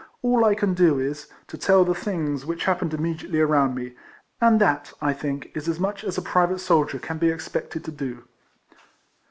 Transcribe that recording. All I can do is, to tell the things which happened immediately around me, and that, I think, is as much as a private soldier can be expected to do.